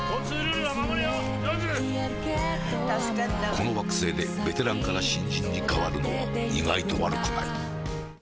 この惑星でベテランから新人に変わるのは意外に悪くない。